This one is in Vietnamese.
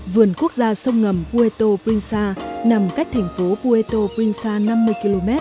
vườn quốc gia sông ngầm puerto princesa nằm cách thành phố puerto princesa năm mươi km